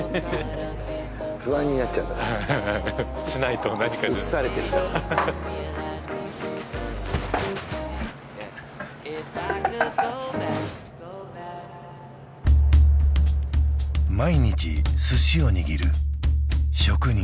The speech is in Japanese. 不安になっちゃうんだしないと何か写されてるからハハハハ毎日寿司を握る職人